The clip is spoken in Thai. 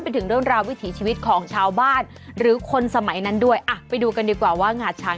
ว่าหงาช้างคิดว่ามันเก่าขนาดไหน